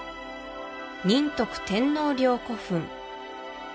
仁徳天皇陵古墳